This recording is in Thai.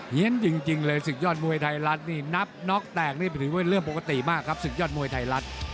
เหี้ยนจริงเลยศึกยอดมวยไทยรัฐนี่นับน็อกแตกนี่ถือว่าเรื่องปกติมากครับศึกยอดมวยไทยรัฐ